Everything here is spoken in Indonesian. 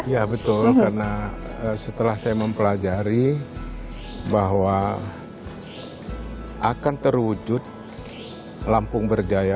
ya betul karena setelah saya mempelajari bahwa akan terwujud lampung berjaya